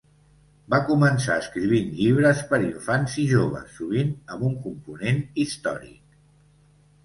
Va començar escrivint llibres per infants i joves, sovint amb un component històric.